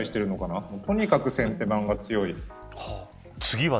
とにかく先手版が強い。